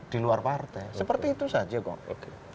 di luar partai seperti itu saja kok